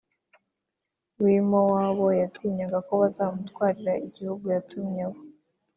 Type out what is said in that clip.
W i mowabu yatinyaga ko bazamutwarira igihugu yatumyeho